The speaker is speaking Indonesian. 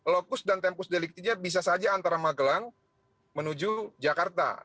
lokus dan tempus deliktinya bisa saja antara magelang menuju jakarta